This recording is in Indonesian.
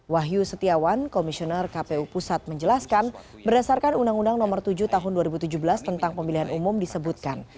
wahyu setiawan komisioner kpu pusat menjelaskan berdasarkan undang undang nomor tujuh tahun dua ribu tujuh belas tentang pemilihan umum disebutkan